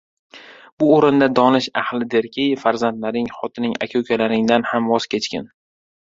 Bu o‘rinda donish ahli derki: farzandlaring, xotining, aka-ukalaringdan ham voz kechgil.